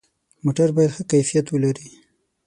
موټر باید ښه کیفیت ولري.